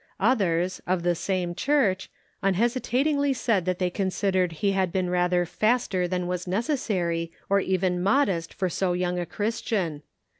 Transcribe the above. Others, of the same church, unhesitatingly said that they considered he had been rather faster than was necessary or even modest for so young a Christian.